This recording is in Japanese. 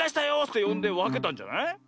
ってよんでわけたんじゃない？